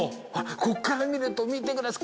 こっから見ると見てください。